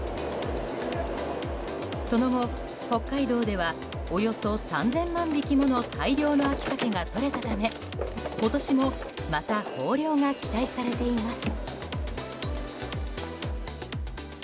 その後、北海道ではおよそ３０００万匹もの大量の秋サケがとれたため今年もまた豊漁が期待されています。